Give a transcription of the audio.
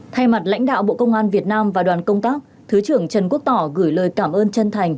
thay mặt lãnh đạo bộ công an việt nam và đoàn công tác thứ trưởng trần quốc tỏ gửi lời cảm ơn chân thành